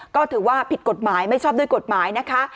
ก็ถือว่าผิดกฎหมายไม่ชอบด้วยกฎหมายนะคะ